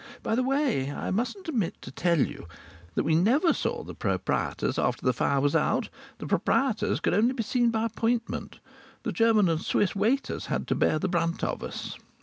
By the way, I mustn't omit to tell you that we never saw the proprietors after the fire was out; the proprietors could only be seen by appointment. The German and Swiss waiters had to bear the brunt of us.